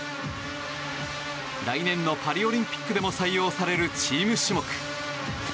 来年のパリオリンピックでも採用されるチーム種目。